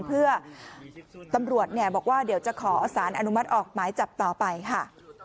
เพื่อตำรวจบอกว่าเดี๋ยวจะขอสารอนุมัติออกหมายจับต่อไปค่ะ